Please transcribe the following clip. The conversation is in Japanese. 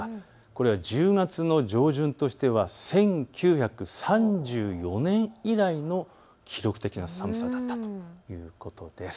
これは１０月の上旬としては１９３４年以来の記録的な寒さになったということです。